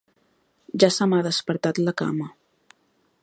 Ja se m'ha despertat la cama.